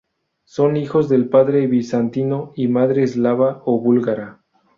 Son hijos de padre bizantino y madre eslava o búlgara.